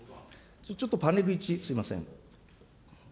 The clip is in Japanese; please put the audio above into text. ちょっとパネル１、すみません。